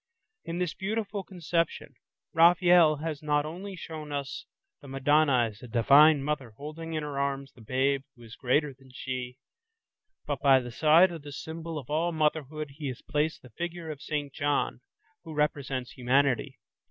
In this beautiful conception, Raphael has not only shown us the Madonna as a Divine Mother holding in her arms the babe who is greater than she, but by the side of this symbol of all motherhood, he has placed the figure of St. John, who represents humanity.